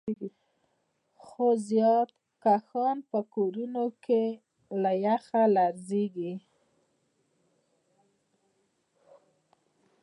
خو زیارکښان په کورونو کې له یخه لړزېږي